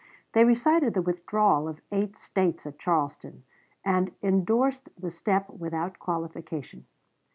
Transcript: They recited the withdrawal of eight States at Charleston, and indorsed the step without qualification.